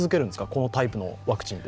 このタイプのワクチンは。